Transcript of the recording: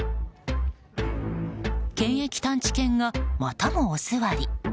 検疫探知犬がまたもお座り。